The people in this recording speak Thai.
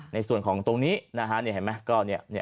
ในส่วนของตรงนี้นะฮะเนี่ยเห็นมั้ยก็เนี่ย